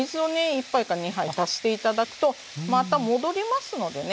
１杯か２杯足して頂くとまた戻りますのでね